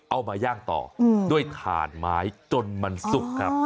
มาย่างต่อด้วยถ่านไม้จนมันซุกครับ